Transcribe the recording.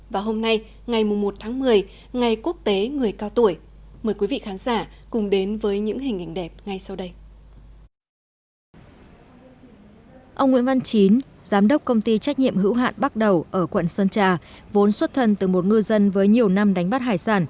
và hôm nay ngày một tháng một mươi ngày quốc tế người cao tuổi mời quý vị khán giả cùng đến với những hình ảnh đẹp ngay sau đây